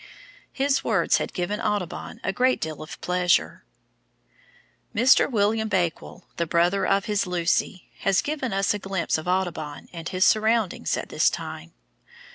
His words had given Audubon a great deal of pleasure. Mr. William Bakewell, the brother of his Lucy, has given us a glimpse of Audubon and his surroundings at this time.